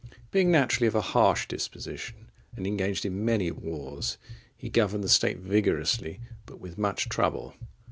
Being naturally of a harsh disposition, and engaged in many wars, he governed the state vigorously, but with much trouble.